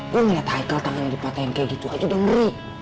gue gak liat haikal tangannya dipatahin kayak gitu aja udah ngeri